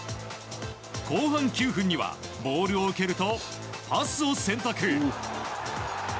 後半９分にはボールを受けるとパスを選択。